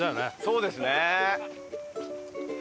そうですね。